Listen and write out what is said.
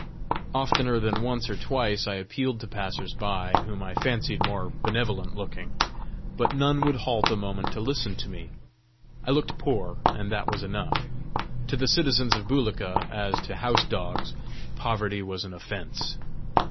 Oftener than once or twice I appealed to passers by whom I fancied more benevolent looking, but none would halt a moment to listen to me. I looked poor, and that was enough: to the citizens of Bulika, as to house dogs, poverty was an offence!